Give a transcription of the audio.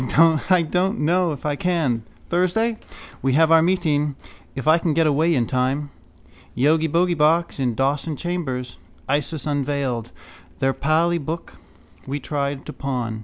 —I don't know if I can. Thursday. We have our meeting. If I can get away in time. Yogibogeybox in Dawson chambers. Isis Unveiled. Their Pali book we tried to pawn.